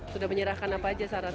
sudah menyerahkan apa saja saran